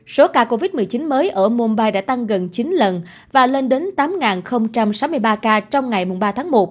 số ca covid một mươi chín mới ở mumbai đã tăng gần chín lần và lên đến tám sáu mươi ba ca